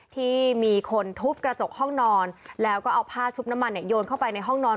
ที่มีคนทุบกระจกห้องนอนแล้วก็เอาผ้าชุบน้ำมันโยนเข้าไปในห้องนอน